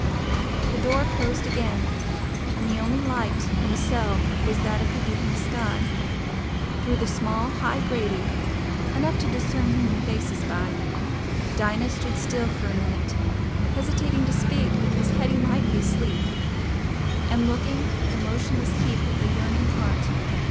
The door closed again, and the only light in the cell was that of the evening sky, through the small high grating—enough to discern human faces by. Dinah stood still for a minute, hesitating to speak because Hetty might be asleep, and looking at the motionless heap with a yearning heart.